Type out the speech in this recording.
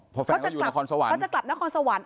อ๋อเพราะแฟนเขาอยู่นครสวรรค์เขาจะกลับนครสวรรค์